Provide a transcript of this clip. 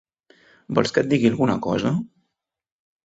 Vols que et digui una cosa?